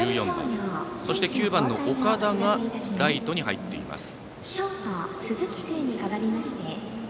そして、９番の岡田がライトに入っています。